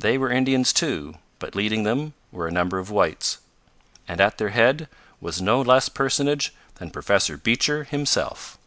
They were Indians, too, but leading them were a number of whites. And at their head was no less personage than Professor Beecher himself.